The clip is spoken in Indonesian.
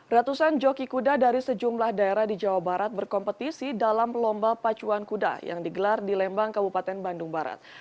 ratusan joki kuda dari sejumlah daerah di jawa barat berkompetisi dalam lomba pacuan kuda yang digelar di lembang kabupaten bandung barat